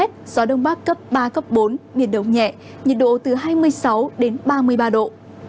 gió đông bắc cấp ba cấp bốn biển động nhẹ nhiệt độ từ hai mươi sáu đến ba mươi ba độ